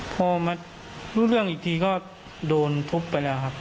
พอมารู้เรื่องอีกทีก็โดนทุบไปแล้วครับ